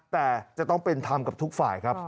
แต่จะต้องเป็นธรรมกับทุกฝ่ายครับ